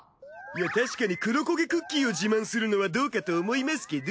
確かに黒焦げクッキーを自慢するのはどうかと思いますけど。